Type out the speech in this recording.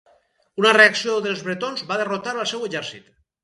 Una reacció dels bretons va derrotar al seu exèrcit.